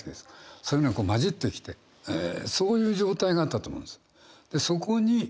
そういうのが混じってきてそういう状態があったと思うんです。